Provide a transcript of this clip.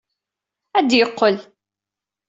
Ad d-yeqqel.